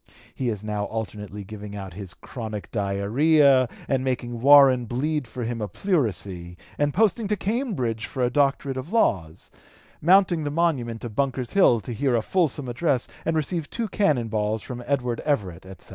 He is now alternately giving out his chronic diarrhoea and making Warren bleed him for a pleurisy, and posting to Cambridge for a doctorate of laws; mounting the monument of Bunker's Hill to hear a fulsome address and receive two cannon balls from Edward Everett," etc.